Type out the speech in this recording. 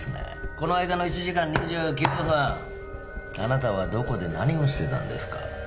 この間の１時間２９分あなたはどこで何をしてたんですか？